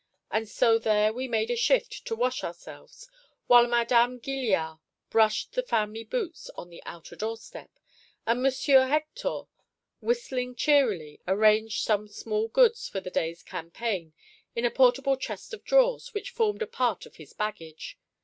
And so there we made a shift to wash ourselves, while Madame Gilliard brushed the family boots on the outer doorstep, and M. Hector, whistling cheerily, arranged some small goods for the day's campaign in a portable chest of drawers, which formed a part of his baggage.